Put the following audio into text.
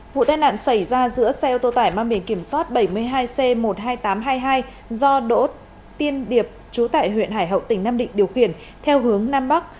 vụ tai nạn xảy ra giữa xe ô tô tải mang biển kiểm soát bảy mươi hai c một mươi hai nghìn tám trăm hai mươi hai do đỗ tiên điệp chú tại huyện hải hậu tỉnh nam định điều khiển theo hướng nam bắc